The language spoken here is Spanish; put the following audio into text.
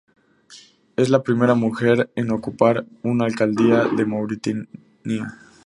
Es la primera mujer en ocupar una alcaldía de Mauritania.